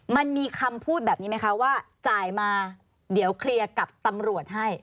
มันมีคำพูดแบบนี้ไหมคะว่าจ่ายมาเดี๋ยวเคลียร์กับตำรวจให้